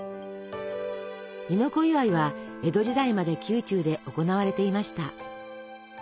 「亥の子祝い」は江戸時代まで宮中で行われていました。